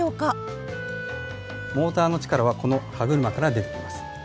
モーターの力はこの歯車から出てきます。